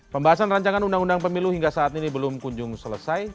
pembahasan rancangan undang undang pemilu hingga saat ini belum kunjung selesai